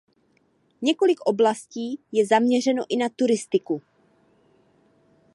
Několik oblastí je zaměřeno i na turistiku.